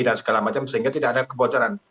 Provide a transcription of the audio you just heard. segala macam sehingga tidak ada kebocoran